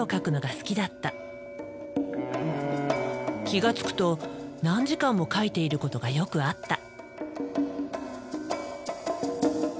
気が付くと何時間も描いていることがよくあった。